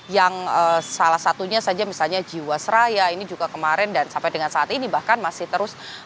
yang salah satunya saja misalnya jiwasraya ini juga kemarin dan sampai dengan saat ini bahkan masih terus